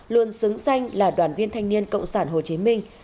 luôn xứng danh là đoàn viên thanh niên cộng sản hồ chí minh